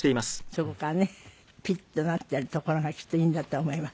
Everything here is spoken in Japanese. そこからねピッとなってるところがきっといいんだと思います。